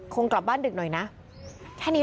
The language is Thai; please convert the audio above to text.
พวกมันต้องกินกันพี่